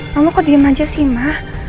mama kok diem aja sih ma